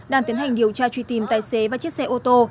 đang tiến hành điều tra truy tìm tài xế và chiếc xe ô tô